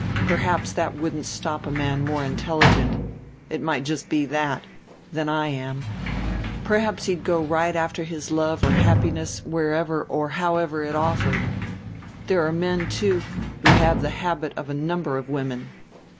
Perhaps that wouldn't stop a man more intelligent it might be just that than I am; perhaps he'd go right after his love or happiness wherever or however it offered. There are men, too, who have the habit of a number of women.